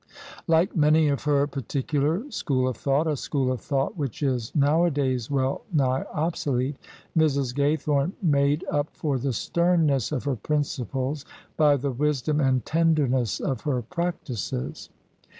Like many of her particular school of thought — a school of thought which is nowadays well nigh obsolete — Mrs. Gaythome made up for the sternness of her principles by the wisdom and tenderness of her practices.